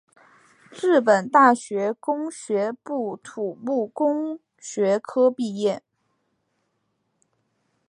日本大学工学部土木工学科毕业。